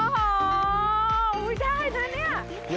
ไม่ได้นะเนี่ย